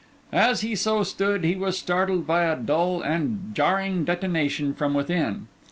As he so stood, he was startled by a dull and jarring detonation from within.